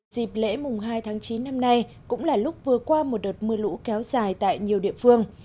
dịp lễ mùng hai tháng chín năm nay cũng là lúc vừa qua một đợt mưa lũ kéo dài tại nhiều địa phương